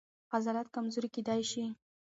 عضلات کمزوري کېدای شي.